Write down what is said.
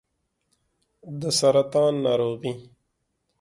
د سرطان ناروغي